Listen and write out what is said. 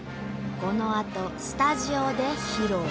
このあとスタジオで披露！